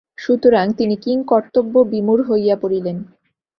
সুতরাং তিনি কিংকর্তব্যবিমূঢ় হইয়া পড়িলেন।